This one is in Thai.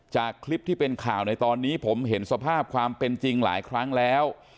จากคลิปที่เป็นข่าวในตอนนี้ผมเห็นสภาพความเป็นจริงหลายครั้งแล้ว